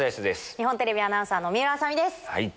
日本テレビアナウンサーの水卜麻美です。